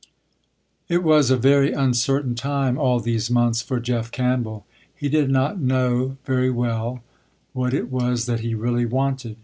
It was a very uncertain time, all these months, for Jeff Campbell. He did not know very well what it was that he really wanted.